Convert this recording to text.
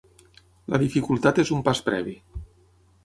La dificultat és un pas previ.